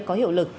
có hiệu lực